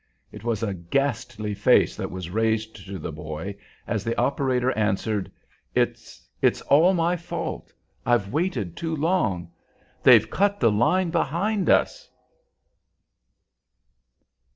It was a ghastly face that was raised to the boy, as the operator answered, "It it's all my fault. I've waited too long. _They've cut the line behind us!